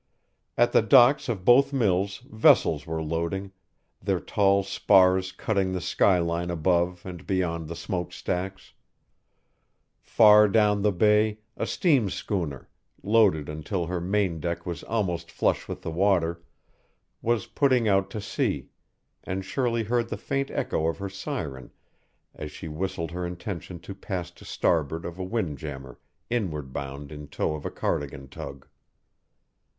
At the docks of both mills vessels were loading, their tall spars cutting the skyline above and beyond the smokestacks; far down the Bay a steam schooner, loaded until her main deck was almost flush with the water, was putting out to sea, and Shirley heard the faint echo of her siren as she whistled her intention to pass to starboard of a wind jammer inward bound in tow of a Cardigan tug.